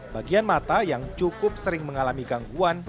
bagian mata yang cukup sering mengalami gangguan